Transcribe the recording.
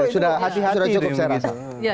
sudah cukup serasa